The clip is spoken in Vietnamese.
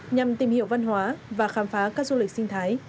nhằm tìm hiểu văn hóa và khám phá các du lịch sinh thái